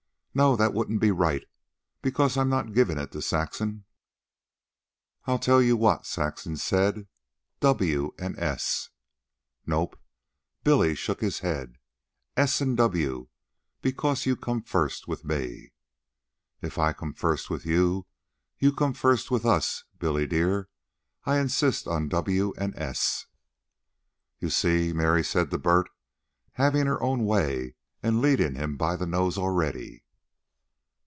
"No, that wouldn't be right, because I'm not giving it to Saxon." "I'll tell you what," Saxon said. "W and S." "Nope." Billy shook his head. "S and W, because you come first with me." "If I come first with you, you come first with us. Billy, dear, I insist on W and S." "You see," Mary said to Bert. "Having her own way and leading him by the nose already."